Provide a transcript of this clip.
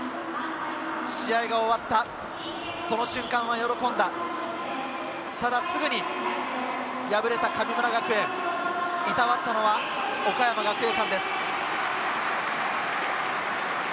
試合が終わったその瞬間は喜んだ、ただすぐに敗れた神村学園を労ったのは岡山学芸館です。